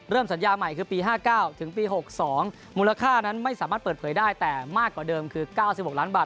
สัญญาใหม่คือปี๕๙ถึงปี๖๒มูลค่านั้นไม่สามารถเปิดเผยได้แต่มากกว่าเดิมคือ๙๖ล้านบาท